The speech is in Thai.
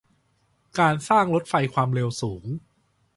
การสร้างรถไฟความเร็วสูง